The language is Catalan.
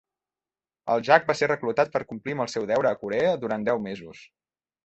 El Jack va ser reclutat per complir amb el seu deure a Corea durant deu mesos.